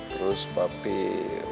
terus mau tidur